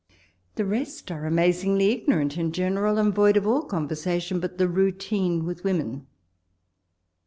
The rest are amazingly ignorant in general, and void of all conversation but the routine with women.